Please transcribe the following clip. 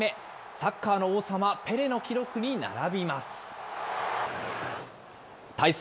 サッカーの王様、ペレの記録に並びます。